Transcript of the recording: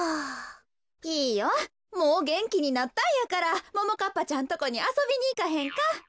もうげんきになったんやからももかっぱちゃんとこにあそびにいかへんか？